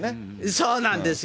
そうなんですよ。